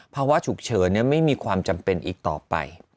ภาวะฉุกเฉินไม่มีความจำเป็นอีกต่อไป